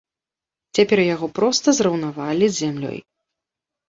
Цяпер яго проста зраўнавалі з зямлёй.